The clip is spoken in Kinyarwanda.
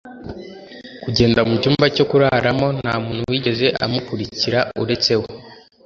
kugenda mu cyumba cyo kuraramo. nta muntu wigeze amukurikira uretse we